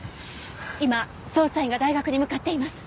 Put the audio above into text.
今捜査員が大学に向かっています。